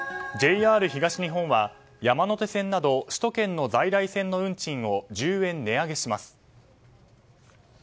ＪＲ東日本は山手線など首都圏の在来線の運賃を１０円値上げします。